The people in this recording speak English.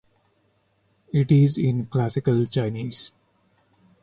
It is in classical Chinese.